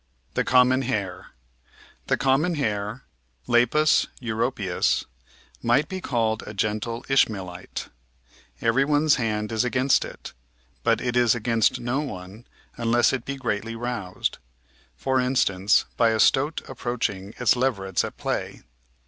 The Common Hare The Common Hare {Lepus europceus) might be called a gentle Ishmaelite. Everyone's hand is against it, but it is against no one unless it be greatly roused, for instance by a stoat ap proaching its leverets at play.